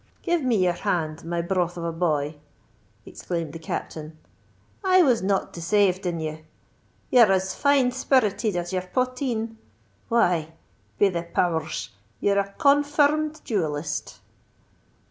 "Give me your hand, my broth of a boy!" exclaimed the Captain: "I was not desayved in you! You're as fine spirited as your potheen. Why! be the power rs, you're a confir rmed duellist."